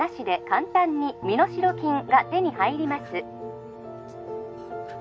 ☎簡単に身代金が手に入ります